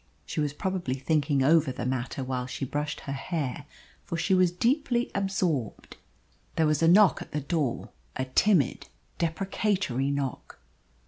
She was probably thinking over the matter while she brushed her hair, for she was deeply absorbed. There was a knock at the door a timid, deprecatory knock.